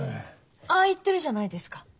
ああ言ってるじゃないですか。